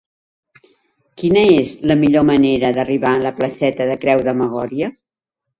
Quina és la millor manera d'arribar a la placeta de Creu de Magòria?